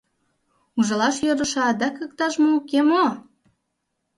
Ужалаш йӧрышӧ адак иктаж-мо уке мо?